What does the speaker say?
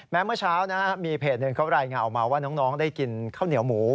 เมื่อเช้ามีเพจหนึ่งเขารายงานออกมาว่าน้องได้กินข้าวเหนียวหมู